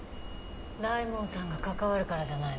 大門さんが関わるからじゃないの？